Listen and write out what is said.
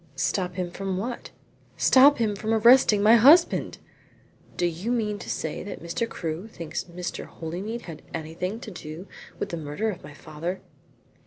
"Stop him from what?" "Stop him from arresting my husband." "Do you mean to say that Mr. Crewe thinks Mr. Holymead had anything to do with the murder of my father?"